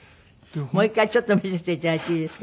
もう一回ちょっと見せて頂いていいですか？